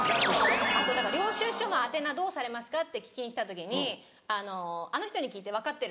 あと「領収書の宛名どうされますか？」って聞きに来た時に「あの人に聞いて分かってるんで」。